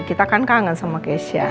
kita kan kangen sama keisha